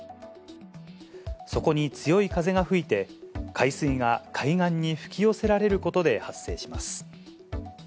そこに強い風が吹いて、海水が海岸に吹き寄せられることで発生します。